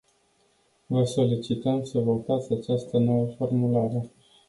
Vă solicităm să votați această nouă formulare.